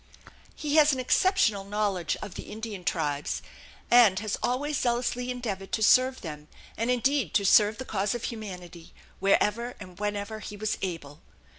He has an exceptional knowledge of the Indian tribes and has always zealously endeavored to serve them and indeed to serve the cause of humanity wherever and whenever he was able.